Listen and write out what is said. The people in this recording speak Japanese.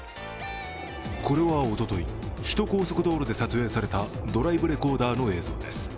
これは、おととい首都高速道路で撮影されたドライブレコーダーの映像です。